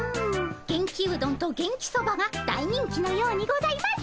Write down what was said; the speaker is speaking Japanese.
元気うどんと元気そばが大人気のようにございます。